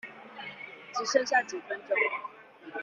只剩下幾分鐘